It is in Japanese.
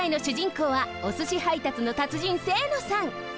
こうはおすし配達の達人清野さん。